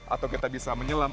atau kita bisa menyelam